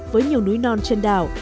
với nhiều núi non trên đảo